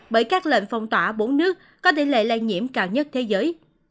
bởi các lệnh phong tỏa bốn nước có tỷ lệ lây nhiễm cao nhất thế giới